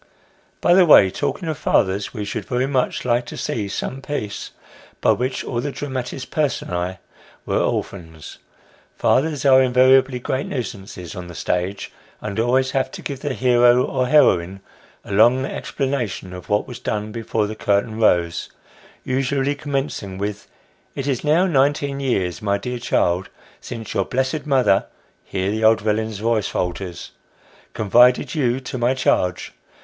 By the way, talking of fathers, we should very much like to see some piece in which all the dramatis personre were orphans. Fathers are invariably great nuisances on the stage, and always have to give the hero or heroine a long explanation of what was done before the curtain rose, usually commencing with " It is now nineteen years, my dear child, since your blessed mother (here the old villain's voice falters) confided you to my charge.